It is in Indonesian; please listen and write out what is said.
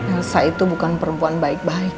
elsa itu bukan perempuan baik baik